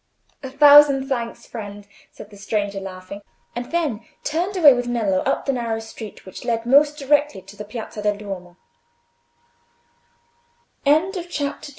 "A thousand thanks, friend!" said the stranger, laughing, and then turned away with Nello up the narrow street which led most directly to the